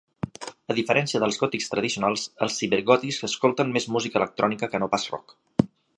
A diferència dels gòtics tradicionals, els cibergòtics escolten més música electrònica que no pas rock.